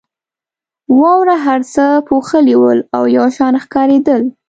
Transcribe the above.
واورو هر څه پوښلي ول او یو شان ښکارېدل.